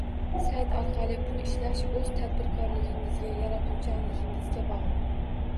Sayt orqali pul ishlash o’z tadbirkorligingizga, yaratuvchanligingizga bog’liq